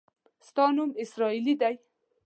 ستا نوم اسراییلي دی.